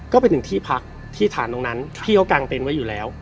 ก็ไปถึงที่พักที่ฐานตรงนั้นที่เขากางเต็นต์ไว้อยู่แล้ว